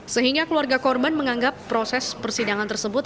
sehingga keluarga korban menganggap proses persidangan tersebut